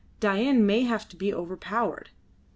Dain may have to be overpowered.